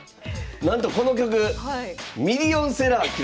なんとこの曲ミリオンセラー記録してます。